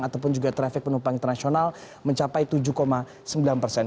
ataupun juga traffic penumpang internasional mencapai tujuh sembilan persen